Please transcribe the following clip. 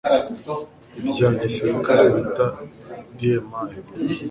irya gisirikare bita DMI